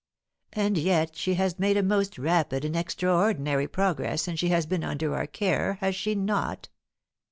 "And yet she has made a most rapid and extraordinary progress since she has been under our care, has she not?"